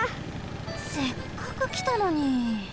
せっかくきたのに！